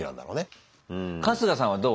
春日さんはどう？